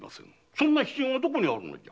そんな必要がどこにあるのじゃ？